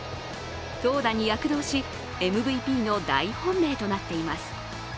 投打に躍動し、ＭＶＰの大本命となっています。